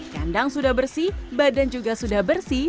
kandang sudah bersih badan juga sudah bersih